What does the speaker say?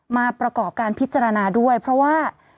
มาประกอบการพิจารณาด้วยเพราะว่า